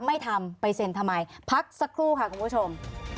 ไม่ทำไปเซ็นทำไมพักสักครู่ค่ะคุณผู้ชม